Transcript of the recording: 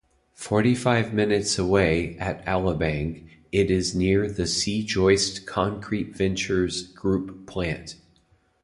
Forty-five minutes away at Alabang, it is near the C-Joist Concrete Ventures Group plant.